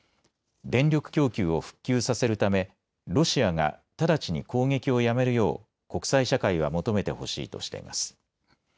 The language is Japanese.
電力供給を復旧させるためロシアが直ちに攻撃をやめるよう国際社会が求めてほしいとしています。